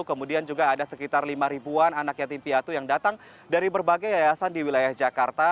kemudian juga ada sekitar lima ribuan anak yatim piatu yang datang dari berbagai yayasan di wilayah jakarta